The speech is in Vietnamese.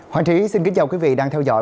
hoàng trí xin kính chào quý vị đang theo dõi